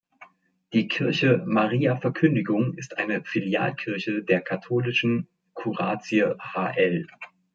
Die Kirche "Maria Verkündigung" ist eine Filialkirche der katholischen Kuratie Hl.